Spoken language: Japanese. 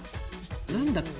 何だっけ？